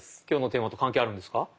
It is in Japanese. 今日のテーマと関係あるんですか？